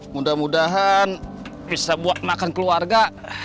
mudah mudahan bisa buat makan keluarga